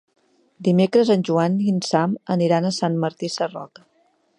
Dimecres en Joan i en Sam aniran a Sant Martí Sarroca.